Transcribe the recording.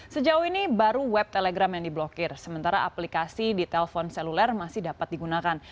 sejauh ini baru web telegram yang diblokir sementara aplikasi di telpon seluler masih dapat digunakan